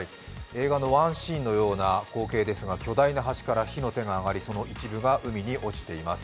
映画のワンシーンのような光景ですが巨大な橋から火の手が上がりその一部が海に落ちています。